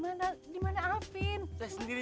baru ada yang bantuin kan